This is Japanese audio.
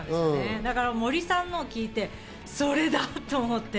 だから森さんのを聞いて、それだ！と思って。